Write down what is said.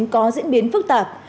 có diễn biến phức tạp